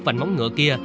vành móng ngựa kia